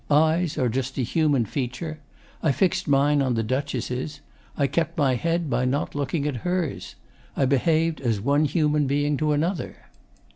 Eyes are just a human feature. I fixed mine on the Duchess's. I kept my head by not looking at hers. I behaved as one human being to another.